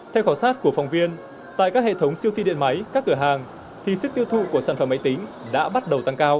theo khảo sát của phòng viên tại các hệ thống siêu thi điện máy các cửa hàng thì sức tiêu thụ của sản phẩm máy tính đã bắt đầu tăng cao